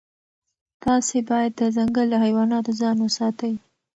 تاسي باید د ځنګل له حیواناتو ځان وساتئ.